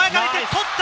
取った！